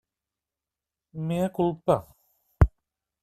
Mea culpa.